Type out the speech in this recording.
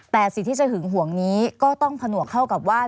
แต่สิ่งที่จะหึงห่วงนี้ก็ต้องผนวกเท่ากับว่า